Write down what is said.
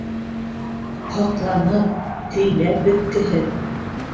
Һоҡланып, һөйләп бөткөһөҙ...